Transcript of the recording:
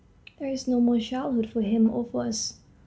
There is no more childhood for him or for us.